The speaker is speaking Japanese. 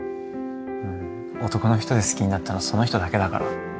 男の人で好きになったのその人だけだから。